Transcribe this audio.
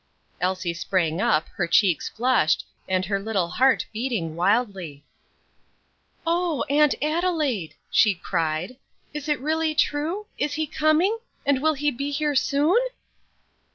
Elsie sprang up, her cheeks flushed, and her little heart beating wildly. "O Aunt Adelaide!" she cried, "is it really true? is he coming? and will he be here soon?"